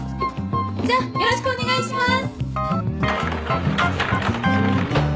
じゃよろしくお願いします。